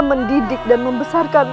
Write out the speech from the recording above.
mendidik dan membesarkanmu